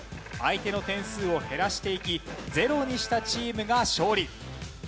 相手の点数を減らしていきゼロにしたチームが勝利。